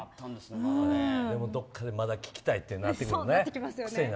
でも、どこかでまた聞きたいってなってくる。